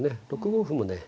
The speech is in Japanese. ６五歩もね